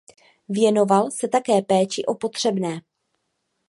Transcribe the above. Věnoval se také péči o potřebné.